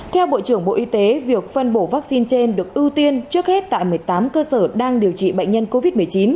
theo bộ trưởng bộ y tế việc phân bổ vaccine trên được ưu tiên trước hết tại một mươi tám cơ sở đang điều trị bệnh nhân covid một mươi chín